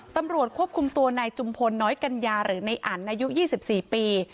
ตำรวจควบคุมตัวนายจุมพลน้อยกัญญาหรือในอันอายุ๒๔ปี